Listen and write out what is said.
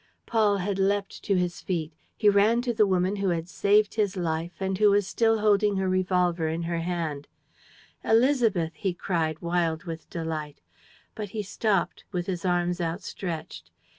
Paul had leapt to his feet. He ran to the woman who had saved his life and who was still holding her revolver in her hand: "Élisabeth!" he cried, wild with delight. But he stopped, with his arms outstretched.